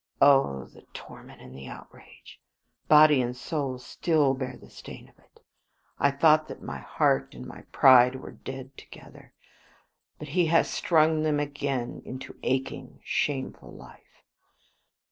Oh! the torment and the outrage: body and soul still bear the stain of it. I thought that my heart and my pride were dead together, but he has stung them again into aching, shameful life.